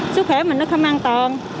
sức khỏe mình nó không an toàn